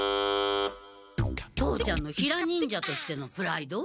父ちゃんのヒラ忍者としてのプライド？